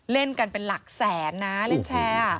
เล่นกันเป็นหลักแสนนะเล่นแชร์